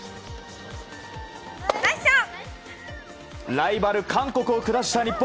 ライバル韓国を下した日本。